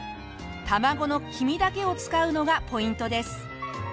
卵の黄身だけを使うのがポイントです。